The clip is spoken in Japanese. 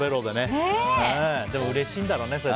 でも、うれしいんだろうね